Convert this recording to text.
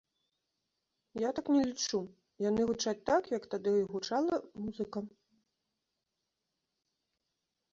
Я так не лічу, яны гучаць так, як тады і гучала музыка.